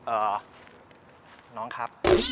เอ่อน้องครับ